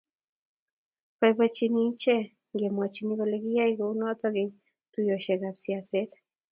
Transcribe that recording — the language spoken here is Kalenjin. boiboichini iche ngemwachini kole kiyae kunoto eng tuiyoshek kab siaset